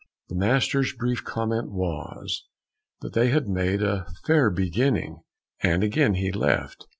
The master's brief comment was that they had made a fair beginning, and again he left.